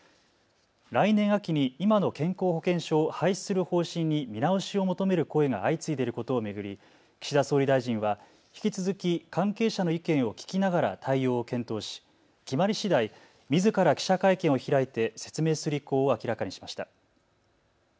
来年秋に今の健康保険証を廃止する方針に見直しを求める声が相次いでいることを巡り岸田総理大臣は引き続き関係者の意見を聞きながら対応を検討し決まりしだい、みずから記者会見を開いて説明する意向を明らかにしました。